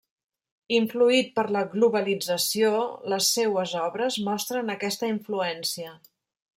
Influït per la globalització, les seues obres mostren aquesta influència.